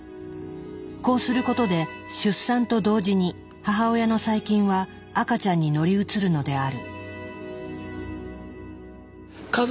こうすることで出産と同時に母親の細菌は赤ちゃんに乗り移るのである。